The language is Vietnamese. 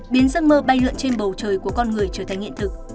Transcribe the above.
biến giấc mơ bay lượn trên bầu trời của con người trở thành hiện thực